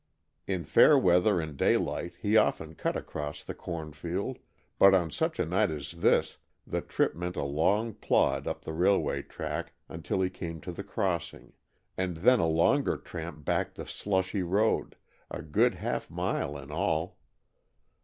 In fair weather and daylight he often cut across the corn field, but on such a night as this the trip meant a long plod up the railway track until he came to the crossing, and then a longer tramp back the slushy road, a good half mile in all.